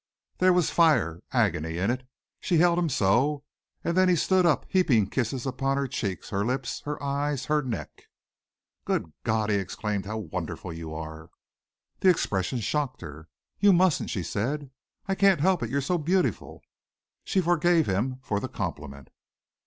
There was fire, agony in it. She held him so and then he stood up heaping kisses upon her cheeks, her lips, her eyes, her neck. "Good God!" he exclaimed, "how wonderful you are!" The expression shocked her. "You mustn't," she said. "I can't help it. You are so beautiful!" She forgave him for the compliment.